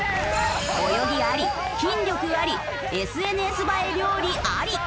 泳ぎあり筋力ありＳＮＳ映え料理あり！